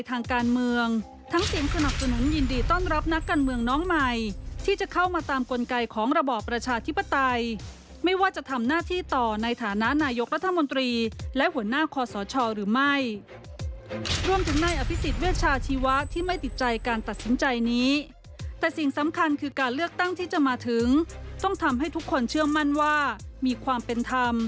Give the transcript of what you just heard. ทางการเมืองทั้งเสียงสนับสนุนยินดีต้อนรับนักการเมืองน้องใหม่ที่จะเข้ามาตามกลไกของระบอบประชาธิปไตยไม่ว่าจะทำหน้าที่ต่อในฐานะนายกรัฐมนตรีและหัวหน้าคอสชหรือไม่รวมถึงนายอภิษฎเวชาชีวะที่ไม่ติดใจการตัดสินใจนี้แต่สิ่งสำคัญคือการเลือกตั้งที่จะมาถึงต้องทำให้ทุกคนเชื่อมั่นว่ามีความเป็นธรรม